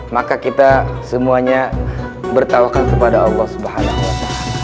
maka kita semuanya bertawakan kepada allah swt